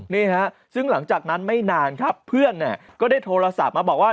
นี่ฮะซึ่งหลังจากนั้นไม่นานครับเพื่อนก็ได้โทรศัพท์มาบอกว่า